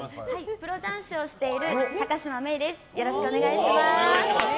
プロ雀士をしている高島芽衣です。